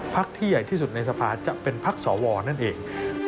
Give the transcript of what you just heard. ที่ใหญ่ที่สุดในสภาจะเป็นพักสวนั่นเอง